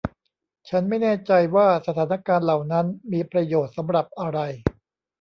ฉันไม่แน่ใจว่าสถานการณ์เหล่านั้นมีประโยชน์สำหรับอะไร